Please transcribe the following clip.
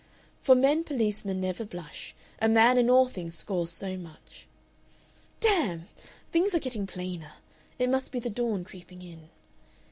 "For men policemen never blush; A man in all things scores so much... "Damn! Things are getting plainer. It must be the dawn creeping in.